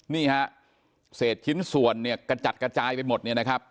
นี่ฮะเศษชิ้นส่วนเนี่ยกระจัดกระจายไปหมดเนี่ยนะครับ